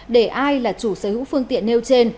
để ai là chủ sở hữu phương tiện nêu trên